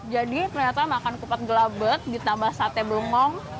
jadi ternyata makan kupat gelabet ditambah sate belengong